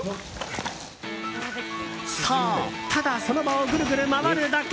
そう、ただその場をぐるぐる回るだけ。